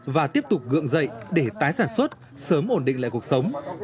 và tiếp tục gượng dậy để tái sản xuất sớm ổn định lại cuộc sống